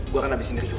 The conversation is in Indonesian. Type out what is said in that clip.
gua kan abisin rio